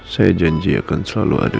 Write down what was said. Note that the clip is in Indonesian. saya janji akan selalu ada